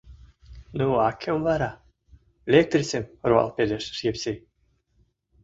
«Ну, а кӧм вара?» «Лектрисым! — руал пелештыш Евсей.